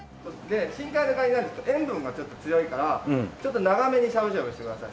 深海のカニなので塩分がちょっと強いからちょっと長めにしゃぶしゃぶしてください。